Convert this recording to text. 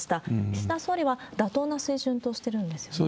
岸田総理は妥当な水準としてるんですよね。